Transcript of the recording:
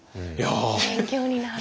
勉強になる。